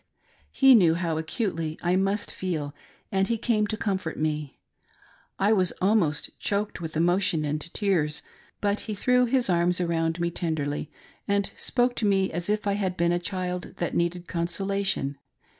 He knew how acutely I must feel, and he came to comfort me. I was almost choked with emotion and tears, but he threw his arms round me tenderly and spoke to me as if I had been a child that needed consolation.